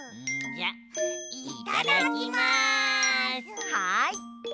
はい！